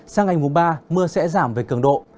sang ngày mùng ba mưa sẽ giảm về cường độ